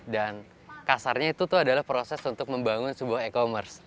dan kasarnya itu tuh adalah proses untuk membangun sebuah e commerce